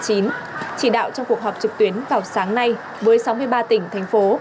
chỉ đạo trong cuộc họp trực tuyến vào sáng nay với sáu mươi ba tỉnh thành phố